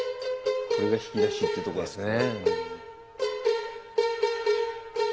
これが弾き出しってとこですね。